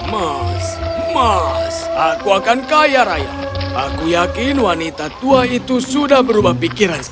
mas mas aku akan kaya raya aku yakin wanita tua itu sudah berubah pikiran